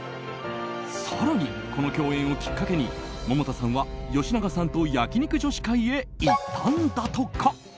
更に、この共演をきっかけに百田さんは吉永さんと焼き肉女子会へ行ったんだとか。